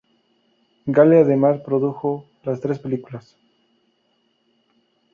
Gale además produjo las tres películas.